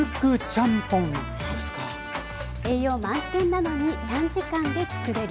栄養満点なのに短時間で作れるスピード麺。